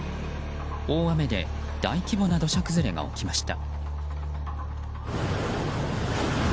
大雨で大規模な土砂崩れが起きました。